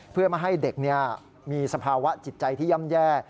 เพื่อไม่ให้เด็กมีสภาวะจิตใจที่ย่ำแย่